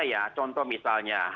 ya contoh misalnya